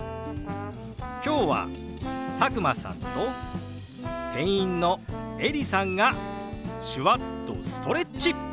今日は佐久間さんと店員のエリさんが手話っとストレッチ！